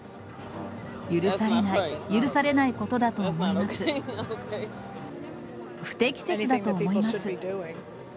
許されない、許されないこと不適切だと思います。